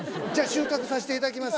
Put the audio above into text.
収穫させていただきます。